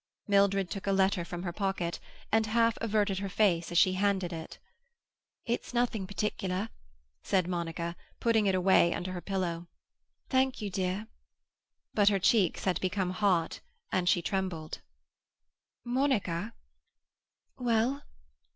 Mildred took a letter from her pocket, and half averted her face as she handed it. "It's nothing particular," said Monica, putting it away under her pillow. "Thank you, dear." But her cheeks had become hot, and she trembled. "Monica—" "Well?"